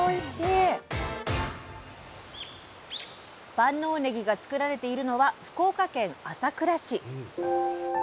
万能ねぎが作られているのは福岡県朝倉市。